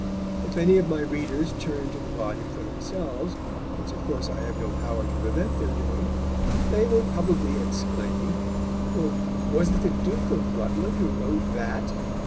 If any of my readers turn to the volume for themselves, which, of course, I have no power to prevent their doing, they will probably exclaim: "Was it the Duke of Rutland who wrote _that?